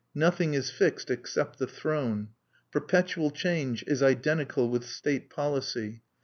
Nothing is fixed except the Throne. Perpetual change is identical with state policy.